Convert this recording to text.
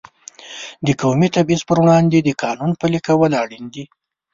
د قومي تبعیض پر وړاندې د قانون پلي کول اړین دي.